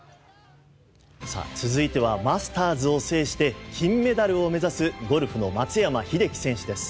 続いてはマスターズを制して金メダルを目指すゴルフの松山英樹選手です。